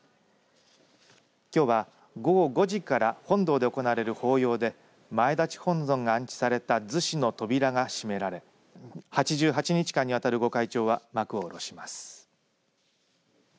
きょうは、午後５時から本堂で行われる法要で前立本尊が安置された厨子の扉が閉められ８８日間にわたる御開帳は、幕を下ろします。